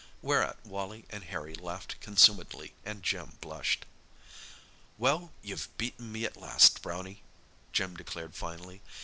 whereat Wally and Harry laughed consumedly, and Jim blushed. "Well, you've beaten me at last, Brownie," Jim declared finally.